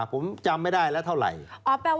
ผมจำไม่ได้แล้วเท่าไหร่